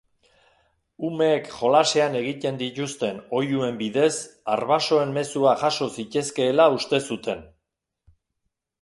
Umeek jolasean egiten dituzten oihuen bidez arbasoen mezuak jaso zitezkeela uste zuten.